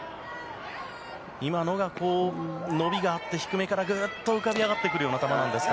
今のが、伸びがあって低めからぐっと浮かび上がってくるような球なんですか。